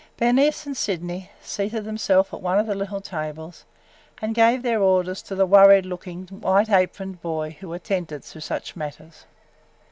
Bernice and Sydney seated themselves at one of the little tables and gave their order to the worried looking, white aproned boy who attended to such matters.